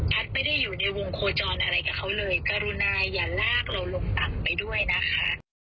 ไม่ได้อยู่ในวงโคจรอะไรกับเขาเลยกรุณาอย่าลากเราลงต่ำไปด้วยนะคะ